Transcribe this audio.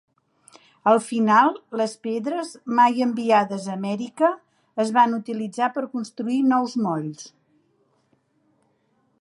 Al final, les pedres, mai enviades a Amèrica, es van utilitzar per construir nous molls.